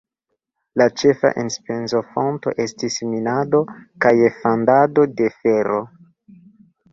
La ĉefa enspezofonto estis minado kaj fandado de fero.